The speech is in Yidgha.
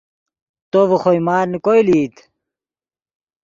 تو ڤے خوئے مال نے کوئے لئیت